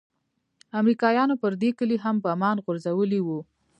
امريکايانو پر دې کلي هم بمان غورځولي وو.